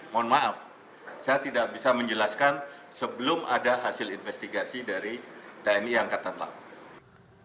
mohon maaf saya tidak bisa menjelaskan sebelum ada hasil investigasi dari tni angkatan laut